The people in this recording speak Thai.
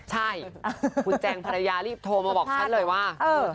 ใช่คุณแจงภรรยารีบโทรมาบอกฉันเลยว่า